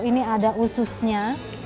ini ada ususnya